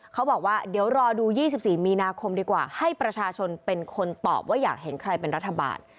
เขาบอกว่าเดี๋ยวรอดู๒๔มีนาคมดีกว่าให้ประชาชนเป็นคนตอบว่าอยากเห็นใครเป็นรัฐบาล